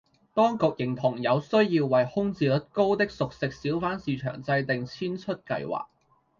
當局認同有需要為空置率高的熟食小販市場制訂遷出計劃